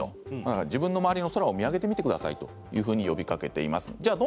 自分の周りの空を見上げてみてくださいと呼びかけています。